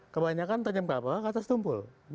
kebanyakan tajam ke bawah ke atas tumpul